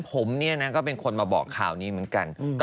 เป็นศักดิ์เป็นศักดิ์เหมือนกันค่ะ